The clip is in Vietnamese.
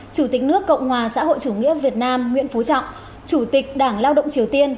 chủ tịch nước cộng hòa xã hội chủ nghĩa việt nam nguyễn phú trọng chủ tịch đảng lao động triều tiên